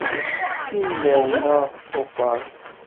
Yennerna lṭufan.